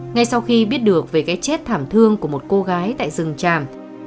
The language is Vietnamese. ngay sau khi biết được về cái chết thảm thương của một cô gái tại rừng tràm